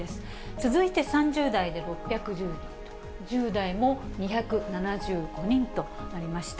続いて３０代で６１０人と、１０代も２７５人となりました。